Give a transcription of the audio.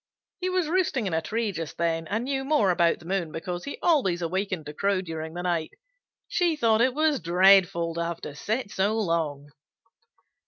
He was roosting in a tree just then, and knew more about the moon because he always awakened to crow during the night. She thought it was dreadful to have to sit so long."